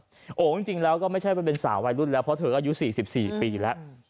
โอ้โหจริงแล้วก็ไม่ใช่เป็นสาววัยรุ่นแล้วเพราะเธออายุ๔๔ปีแล้ว